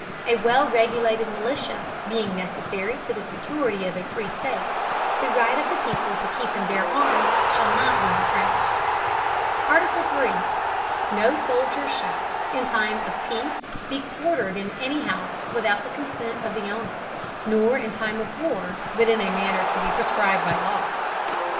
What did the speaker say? A well regulated Militia, being necessary to the security of a free State, the right of the people to keep and bear Arms, shall not be infringed. III. No Soldier shall, in time of peace be quartered in any house, without the consent of the Owner, nor in time of war, but in a manner to be prescribed by law.